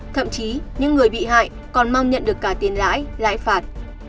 thậm chí những người bị hại còn mong nhận được cả tiền lãi lại phạt